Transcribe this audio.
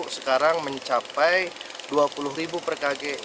sekarang mencapai rp dua puluh per kg